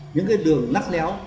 những cái đường nắp léo